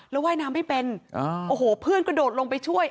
แล้วว่ายน้ำไม่เป็นโอ้โหเพื่อนกระโดดลงไปช่วย